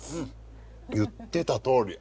言ってたとおり。